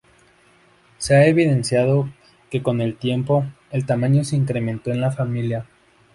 Se ha evidenciado que con el tiempo, el tamaño se incrementó en la familia.